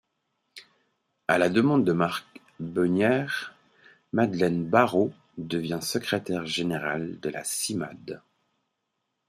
À la demande de Marc Boegner, Madeleine Barot devient secrétaire générale de la Cimade.